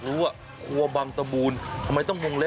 แล้วก็หิวจริงหม่ะ